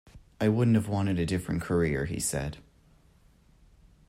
I wouldn't have wanted a different career, he said.